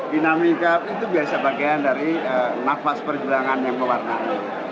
dinamika itu biasa bagian dari nafas perjuangan yang mewarnai